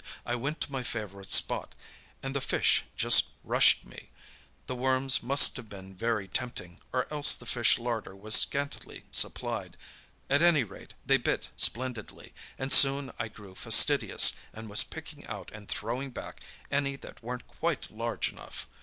I went to my favourite spot, and the fish just rushed me—the worms must have been very tempting, or else the fish larder was scantily supplied. At any rate, they bit splendidly, and soon I grew fastidious, and was picking out and throwing back any that weren't quite large enough.